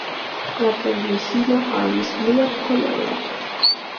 La permesilo havis bluan koloron.